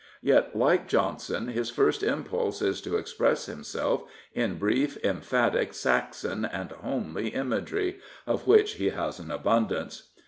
Yet, like Johnson, his first impulse is to express himself in brief, emphatic Saxon and homely imagery, of which he has an abundance.